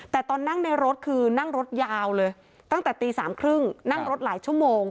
แต่ตอนนั่งในรถคือนั่งรถยาวเลยตั้งแต่ตีสามครึ่งนั่งรถหลายชั่วโมง